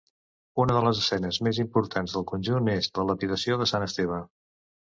Una de les escenes més importants del conjunt és la lapidació de Sant Esteve.